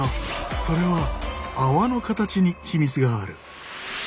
それは泡の形に秘密がある。